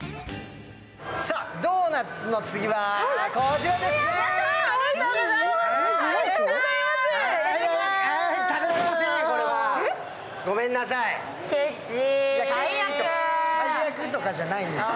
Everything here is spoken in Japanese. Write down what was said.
ドーナツの次はこちらですね！